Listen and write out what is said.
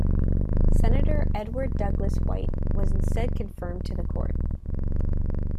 Senator Edward Douglass White was instead confirmed to the Court.